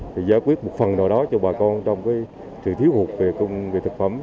thì giải quyết một phần nào đó cho bà con trong cái sự thiếu hụt về thực phẩm